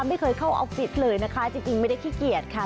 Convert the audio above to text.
ไม่เคยเข้าออฟฟิศเลยนะคะจริงไม่ได้ขี้เกียจค่ะ